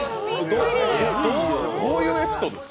どういうエピソードですか？